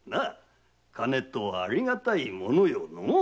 金とは有り難いものよのう。